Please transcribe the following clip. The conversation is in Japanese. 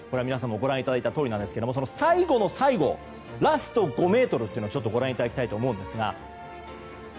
ご覧いただいたとおりなんですが最後の最後ラスト５ｍというのをご覧いただきたいと思います。